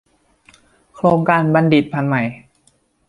โครงการบัณฑิตพันธุ์ใหม่